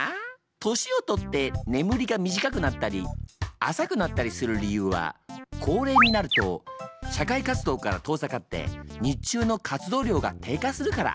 年をとって眠りが短くなったり浅くなったりする理由は高齢になると社会活動から遠ざかって日中の活動量が低下するから。